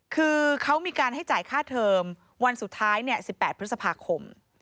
คือเขามีการให้จ่ายค่าเทอมวันสุดท้าย๑๘พฤษภาคม